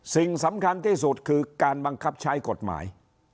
สิ่งสำคัญที่สุดคือการบังคับใช้กฎหมาย